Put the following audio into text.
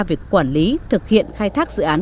việc quản lý thực hiện khai thác dự án